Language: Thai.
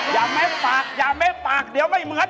อย่าเมะปากอย่าเมะปากเดี๋ยวไม่เหมือน